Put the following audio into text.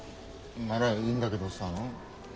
ならいいんだけどさ。